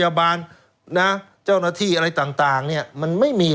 คืออย่างน้อยมันก็น่าจะเห็นตอนที่หามน้องเข้าไปในโซนกองแพทย์ไหมครับ